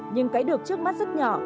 nhưng cái được trước mắt rất nhỏ